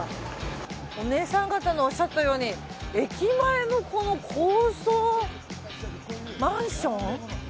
お姉さん方のおっしゃったように駅前のこの高層マンション。